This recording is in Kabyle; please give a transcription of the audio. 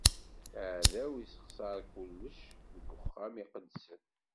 Aɛdaw issexser kullec deg uxxam iqedsen.